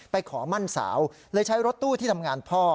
ขอมั่นสาวเลยใช้รถตู้ที่ทำงานพ่อ